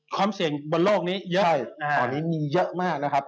ความเสี่ยงบนโลกนี้เยอะ